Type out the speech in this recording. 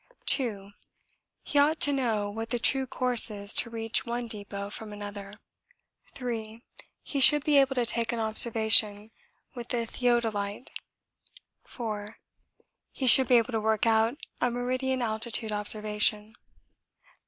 2. He ought to know what the true course is to reach one depôt from another. 3. He should be able to take an observation with the theodolite. 4. He should be able to work out a meridian altitude observation.